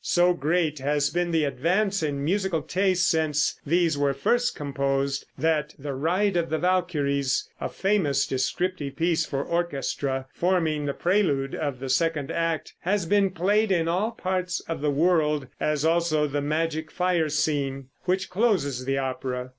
So great has been the advance in musical taste since these were first composed, that "The Ride of the Valkyries," a famous descriptive piece for orchestra, forming the prelude of the second act, has been played in all parts of the world, as also the "Magic Fire Scene," which closes the opera.